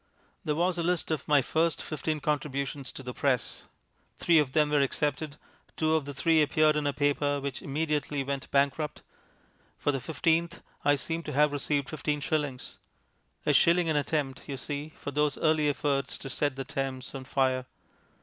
There was a list of my first fifteen contributions to the Press. Three of them were accepted; two of the three appeared in a paper which immediately went bankrupt. For the fifteenth I seem to have received fifteen shillings. A shilling an attempt, you see, for those early efforts to set the Thames on fire.